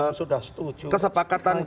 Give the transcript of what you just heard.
nasdem sudah setuju